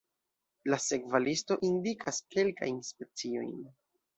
La sekva listo indikas kelkajn speciojn.